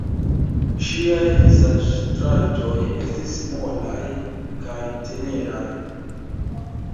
Ŝiaj vizaĝtrajtoj estis molaj kaj teneraj.